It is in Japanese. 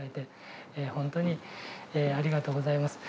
ほんとにありがとうございます。